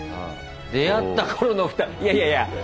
出会った頃のふたいやいや！